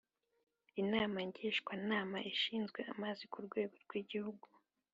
Inama Ngishwanama ishinzwe amazi ku rwego rw’igihugu.